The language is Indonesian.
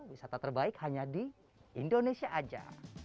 wisata terbaik hanya di indonesia saja